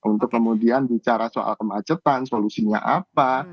untuk kemudian bicara soal kemacetan solusinya apa